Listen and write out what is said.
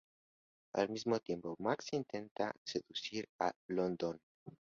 Al mismo tiempo, Max intenta seducir a London.